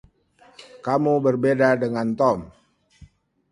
Kamu berbeda dengan Tom.